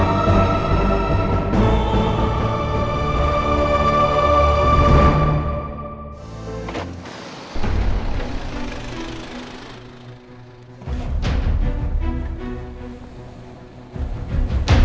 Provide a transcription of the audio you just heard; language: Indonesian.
kami sudah punya sesuatu dengan kita